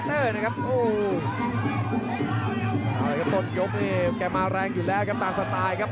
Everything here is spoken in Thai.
ตอนยบปัจจุอยังร่างอยู่แล้วครับต่างสไตล์